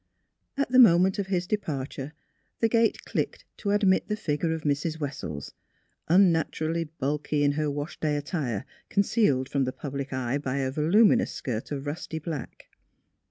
At the moment of his departure the gate clicked to admit the figure of Mrs, Wessels, un naturally bulky in her wash day attire concealed from the public eye by a voluminous skirt of rusty black.